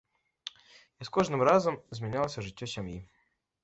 Як з кожным разам змянялася жыццё сям'і?